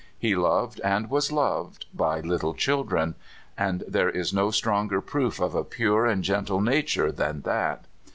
He loved, and was loved by, little children ; and there is no stronger proof of a pure and gentle nature than that.